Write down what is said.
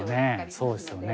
そうですよね。